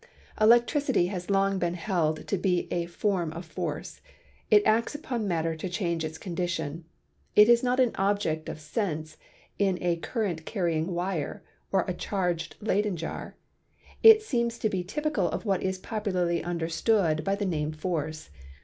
Electricity has long been held to be a form of force. It acts upon matter to change its condition; it is not an object of sense in a current carrying wire or a charged Leyden 14 PHYSICS jar. It seems to be typical of what is popularly under stood by the name force.